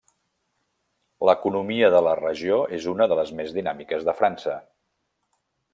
L'economia de la regió és una de les més dinàmiques de França.